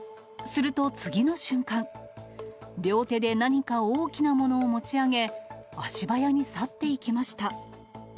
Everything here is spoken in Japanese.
すると、次の瞬間、両手で何か大きなものを持ち上げ、足早に去っていきました。